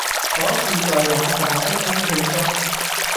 可是在冷淡的空氣中，